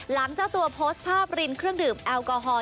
เจ้าตัวโพสต์ภาพรินเครื่องดื่มแอลกอฮอล